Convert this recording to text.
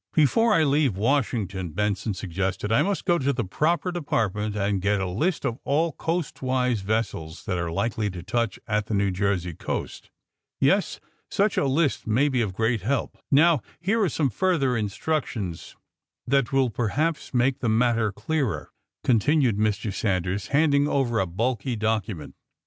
'^^* Before I leave Washington,^' Benson sug* gested, ^^I must go to the proper department and get a list of all coastwise vessels that are likely to touch at the New Jersey coast. ^' *^Yes; such a list may be of great help. Now, here are some further instructions that will per haps make the matter clearer," continued Mr. Sanders, handing over a bulky document.